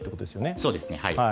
そうですね。